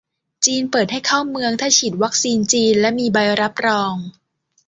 จีนเปิดให้เข้าเมืองถ้าฉีดวัคซีนจีนและมีใบรับรอง